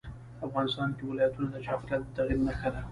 افغانستان کې ولایتونه د چاپېریال د تغیر نښه ده.